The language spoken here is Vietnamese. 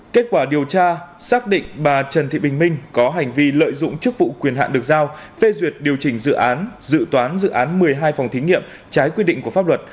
kết quả điều tra xác định bà trần thị bình minh có hành vi lợi dụng chức vụ quyền hạn được giao phê duyệt điều chỉnh dự án dự toán dự án một mươi hai phòng thí nghiệm trái quy định của pháp luật